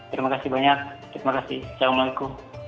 terima kasih banyak